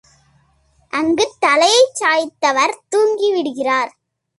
அங்கு தலையைச் சாய்த்தவர் தூங்கிவிடுகிறார்.